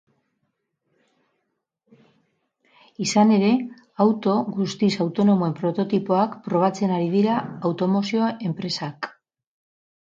Izan ere, auto guztiz autonomoen prototipoak probatzen ari dira automozio enpresak.